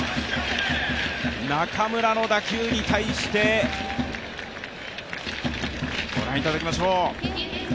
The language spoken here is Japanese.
中村の打球に対して、御覧いただきましょう。